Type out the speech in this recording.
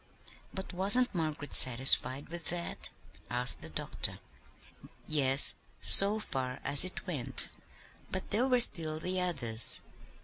"But wasn't Margaret satisfied with that?" asked the doctor. "Yes, so far as it went: but there were still the others.